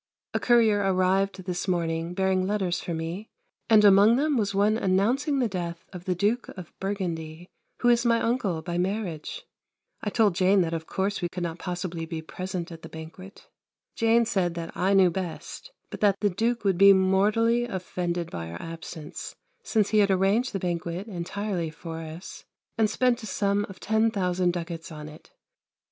A courier arrived this morning, bearing letters for me, and among them was one announcing the death of the Duke of Burgundy, who is my uncle by marriage. I told Jane that of course we could not possibly be present at the banquet. Jane said that I knew best, but that the Duke would be mortally offended by our absence, since he had arranged the banquet entirely for us and spent a sum of 10,000 ducats on it.